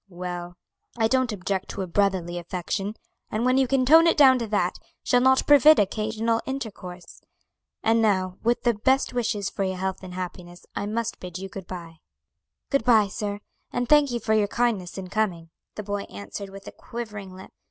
"Well, I don't object to a brotherly affection, and when you can tone it down to that, shall not forbid occasional intercourse. And now, with the best wishes for your health and happiness, I must bid you good bye." "Good bye, sir; and thank you for your kindness in coming," the boy answered with a quivering lip.